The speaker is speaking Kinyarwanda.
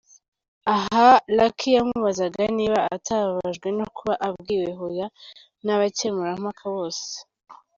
Aha Lucky yamubazaga niba atababajwe no kuba abwiwe hoya n'abakemurampaka bose.